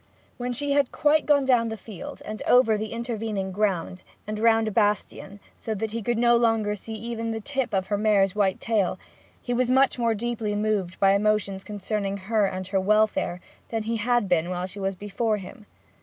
When she had quite gone down the field, and over the intervening ground, and round the bastion, so that he could no longer even see the tip of her mare's white tail, he was much more deeply moved by emotions concerning her and her welfare than he had been while she was before him.